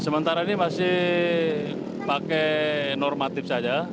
sementara ini masih pakai normatif saja